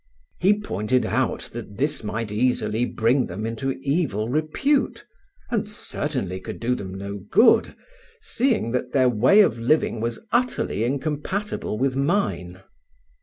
He pointed out that this might easily bring them into evil repute, and certainly could do them no good, seeing that their way of living was utterly incompatible with mine.